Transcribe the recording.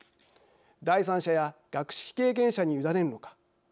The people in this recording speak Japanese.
第三者や学識経験者に委ねるのか。